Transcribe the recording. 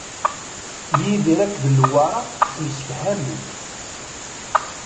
Yidir akked Newwara ttemsefhamen.